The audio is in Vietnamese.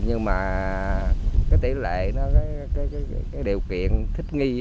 nhưng mà tỷ lệ điều kiện thích nghi